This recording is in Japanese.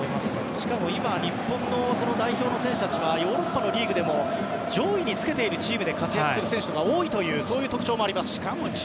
しかも今日本の代表選手たちはヨーロッパリーグでも上位につけているチームで活躍する選手が多いという特徴があります。